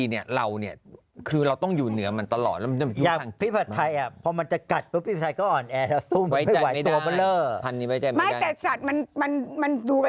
คนนี้ค่ะแอนทองประสม